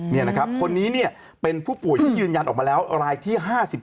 นี่นะครับคนนี้เนี่ยเป็นผู้ป่วยที่ยืนยันออกมาแล้วรายที่๕๓